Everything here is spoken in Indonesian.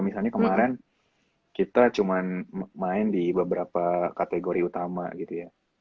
misalnya kemarin kita cuma main di beberapa kategori utama gitu ya